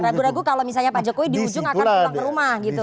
ragu ragu kalau misalnya pak jokowi di ujung akan pulang ke rumah gitu